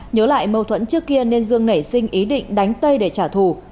nhớ lại mâu thuẫn trước kia nên dương nảy sinh ý định đánh tây để trả thù